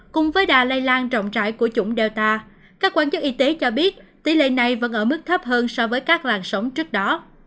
cùng với đà lây lan rộng rãi của chủng delta các quan chức y tế cho biết tỷ lệ này vẫn ở mức thấp hơn so với các làn sóng trước đó